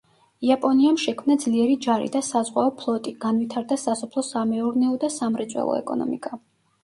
იაპონიამ შექმნა ძლიერი ჯარი და საზღვაო ფლოტი, განვითარდა სასოფლო-სამეურნეო და სამრეწველო ეკონომიკა.